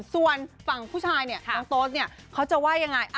ส่วนฝั่งผู้ชายเนี่ยน้องโต๊สเนี่ยเขาจะว่ายังไง